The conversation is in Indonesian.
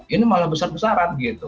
ini malah besar besaran gitu